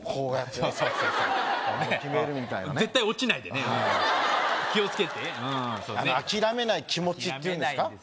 そうそうそうそう決めるみたいなね絶対落ちないでね気をつけて諦めない気持ちっていうんですか諦めないんですよ